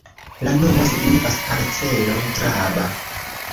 La nomo signifas parcelo-traba.